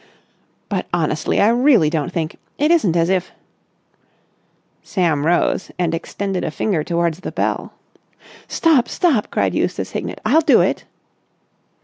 "But, honestly, I really don't think ... it isn't as if...." Sam rose and extended a finger towards the bell. "Stop! Stop!" cried Eustace Hignett. "I'll do it!"